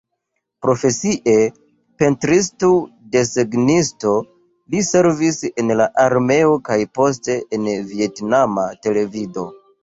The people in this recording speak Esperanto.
Profesie pentristo-desegnisto, li servis en la armeo kaj poste en vjetnama televido.